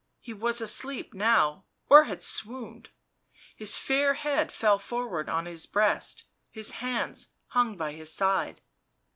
he was asleep now or had swooned ; his fair head fell forward on his breast, his hands hung by his side.